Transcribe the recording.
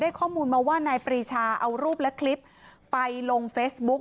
ข้อมูลมาว่านายปรีชาเอารูปและคลิปไปลงเฟซบุ๊ก